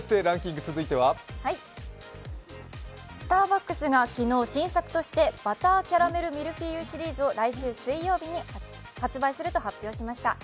スターバックスが昨日新作としてバターキャラメルミルフィーユシリーズを来週発売すると発表しました。